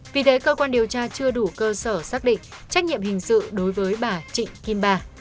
vì thế cơ quan điều tra chưa đủ cơ sở xác định trách nhiệm hình sự đối với bà trịnh kim ba